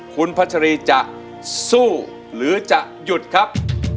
คุณพัชรีจะสู้หรือจะหยุดครับ